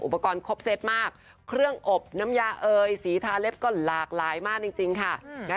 ครบเซตมากเครื่องอบน้ำยาเอยสีทาเล็บก็หลากหลายมากจริงค่ะ